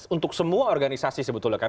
untuk semua organisasi sebetulnya kan